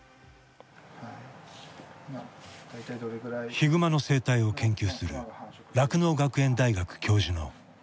ヒグマの生態を研究する酪農学園大学教授の佐藤喜和。